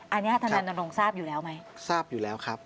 อันนี้ทนายรณรงค์ทราบอยู่แล้วไหมทราบอยู่แล้วครับ